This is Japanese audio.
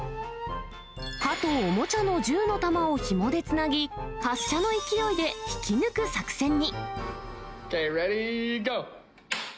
歯とおもちゃの銃の弾をひもでつなぎ、発射の勢いで引き抜く作戦に。